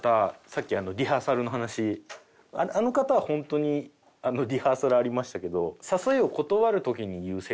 さっきリハーサルの話あの方は本当にリハーサルありましたけど誘いを断る時に言うセリフとかってあります？